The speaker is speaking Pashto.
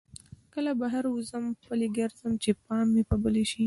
کله بهر وځم پلی ګرځم چې پام مې په بله شي.